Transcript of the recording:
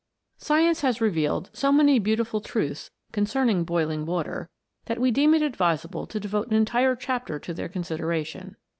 Science has revealed so many beautiful truths concerning boiling water, that we deem it advisable to devote an entire chapter to their consideration.